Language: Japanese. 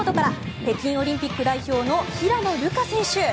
北京オリンピック代表の平野流佳選手。